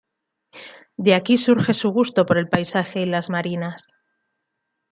De aquí surge su gusto por el paisaje y las Marinas.